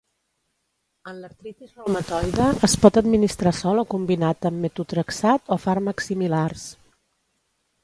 En l'artritis reumatoide es pot administrar sol o combinat amb metotrexat o fàrmacs similars.